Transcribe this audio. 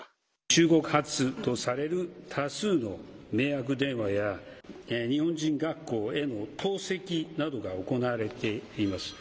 中国発とされる多数の迷惑電話や日本人学校への投石などが行われています。